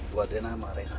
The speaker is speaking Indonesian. bu adriana sama reva